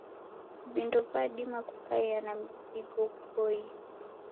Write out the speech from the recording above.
Vindo vadima kukaia na mzingo ghuboie.